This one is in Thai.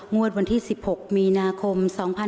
งวดวันที่๑๖มีนาคม